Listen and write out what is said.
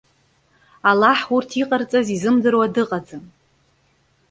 Аллаҳ урҭ иҟарҵаз изымдыруа дыҟаӡам.